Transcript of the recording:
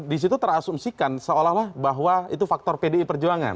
disitu terasumsikan seolah olah bahwa itu faktor pdi perjuangan